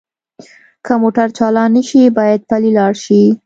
که موټر چالان نه شي باید پلی لاړ شئ